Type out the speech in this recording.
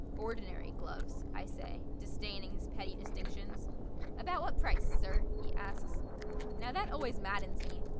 "Ordinary gloves," I say, disdaining his petty distinctions. "About what price, sir?" he asks. Now that always maddens me.